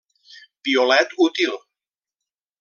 Piolet útil.